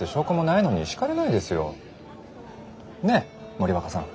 森若さん。